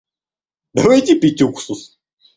Давайте пить уксус.